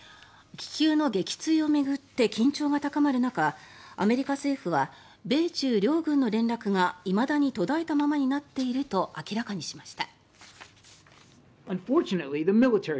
気球の撃墜を巡って緊張が高まる中アメリカ政府は米中両軍の連絡がいまだに途絶えたままになっていると明らかにしました。